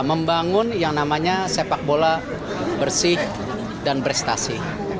membangun yang namanya sepakbola bersih dan berestasi